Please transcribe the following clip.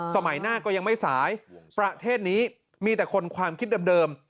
สมัยหน้าก็ยังไม่สายประเทศนี้มีแต่คนความคิดเดิม